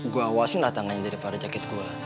gue awasin lah tangannya daripada jakit gue